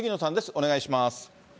お願いします。